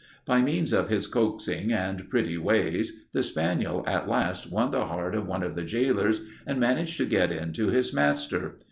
By means of his coaxing and pretty ways, the spaniel at last won the heart of one of the jailers and managed to get in to his master.